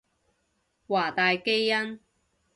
華大基因